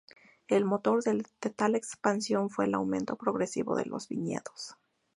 El motor de tal expansión fue el aumento progresivo de los viñedos.